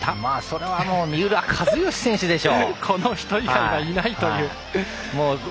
それは三浦知良選手でしょ！